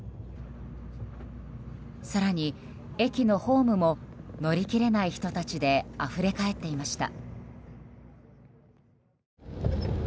更に、駅のホームも乗り切れない人たちであふれかえっていました。